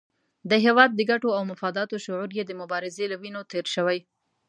د هېواد د ګټو او مفاداتو شعور یې د مبارزې له وینو تېر شوی.